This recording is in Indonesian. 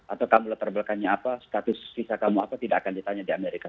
atau kamu latar belakangnya apa status visa kamu apa tidak akan ditanya di amerika